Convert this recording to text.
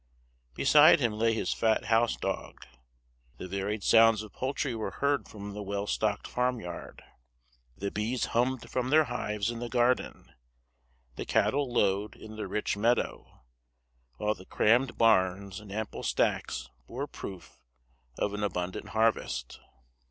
Beside him lay his fat house dog. The varied sounds of poultry were heard from the well stocked farm yard; the bees hummed from their hives in the garden; the cattle lowed in the rich meadow: while the crammed barns and ample stacks bore proof of an abundant harvest.